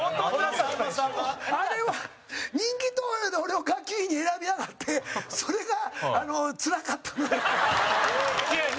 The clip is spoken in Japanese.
さんま：あれは、人気投票で俺を学級委員に選びやがってそれが、つらかったのよ。